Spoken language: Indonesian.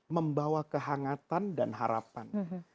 membawa kehangatan dan harapan